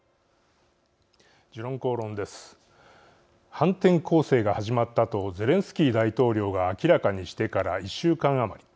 反転攻勢が始まったとゼレンスキー大統領が明らかにしてから１週間余り。